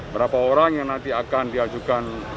berapa orang yang nanti akan diajukan